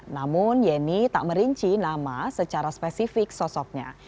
namun yeni tak merinci nama secara spesifik sosoknya